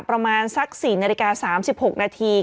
ประมาณสัก๔นาฬิกา๓๖นาที